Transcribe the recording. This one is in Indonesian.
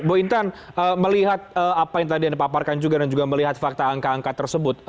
bu intan melihat apa yang tadi anda paparkan juga dan juga melihat fakta angka angka tersebut